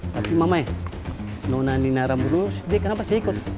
tapi mamay nona dina rambu lurus dia kenapa sih ikut